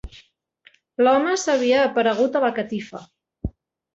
L'home s'havia aparegut a la catifa.